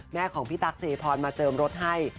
แม่ของพี่ตั๊กเสรียพรมาเจิมรถให้